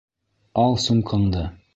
Ал сумкаңды!